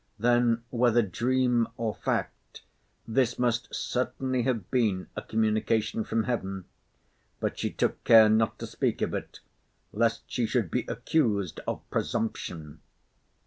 Then, whether dream or fact, this must certainly have been a communication from heaven; but she took care not to speak of it, lest she should be accused of presumption.